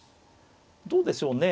どうでしょうね。